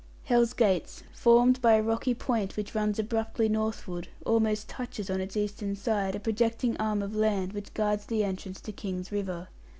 "Hell's Gates," formed by a rocky point, which runs abruptly northward, almost touches, on its eastern side, a projecting arm of land which guards the entrance to King's River.